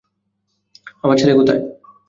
আমার ছেলে কোথায়?